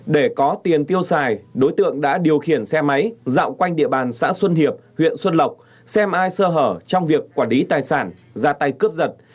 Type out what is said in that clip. để có tiền tiêu xài đối tượng đã điều khiển xe máy dạo quanh địa bàn xã xuân hiệp huyện xuân lộc xem ai sơ hở trong việc quản lý tài sản ra tay cướp giật